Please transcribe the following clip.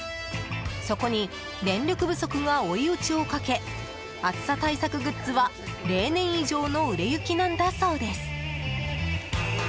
そこに電力不足が追い打ちをかけ暑さ対策グッズは例年以上の売れ行きなんだそうです。